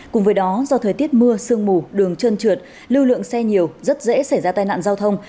cùng với đó do thời tiết mưa sương mù đường trơn trượt lưu lượng xe nhiều rất dễ xảy ra tai nạn giao thông